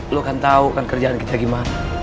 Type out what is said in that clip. lo kan tau kan kerjaan kerja gimana